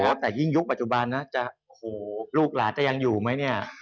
โหแต่ยิ่งยุคปัจจุบันน่ะลูกหลานจะยังอยู่มั้ยเนี่ย